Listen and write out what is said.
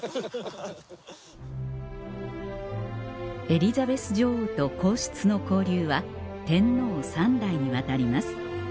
エリザベス女王と皇室の交流は天皇３代にわたります